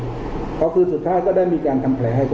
เพราะคืนสุดท้ายก็ได้มีการทำแผลให้แก